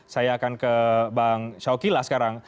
saya akan ke bang syawky lah sekarang